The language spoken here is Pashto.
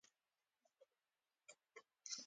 د حرم سرا له دروازې یوه قد اوږده سپینې برقعې ښځه راغله.